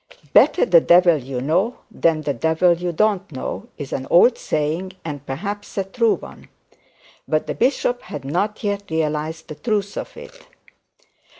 'Better the devil you know than the devil you don't know', is an old saying, and perhaps a true one; but the bishop had not yet realised the truth of it.